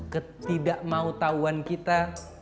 ketidakmau tahuan kita